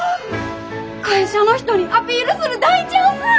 会社の人にアピールする大チャンス！